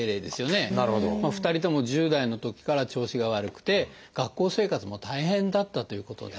２人とも１０代のときから調子が悪くて学校生活も大変だったということです。